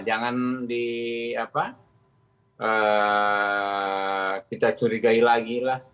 jangan kita curigai lagi